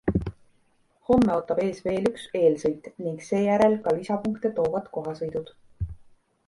Homme ootab ees veel üks eelsõit ning seejärel ka lisapunkte toovad kohasõidud.